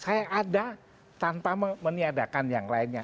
saya ada tanpa meniadakan yang lainnya